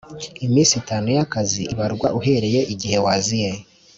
Iminsi itanu y akazi ibarwa uhereye igihe waziye